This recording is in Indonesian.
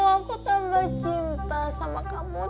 aku tambah cinta sama kamu